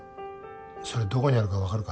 それどこにあるか分かるか？